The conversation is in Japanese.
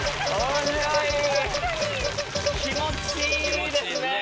気持ちいいですね！